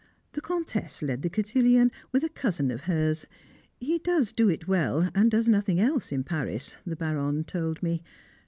The Comtesse led the cotillon with a cousin of hers; he does do it well, and does nothing else in Paris, the Baronne told me.